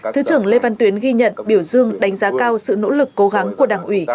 thứ trưởng lê văn tuyến ghi nhận biểu dương đánh giá cao sự nỗ lực cố gắng của đảng ủy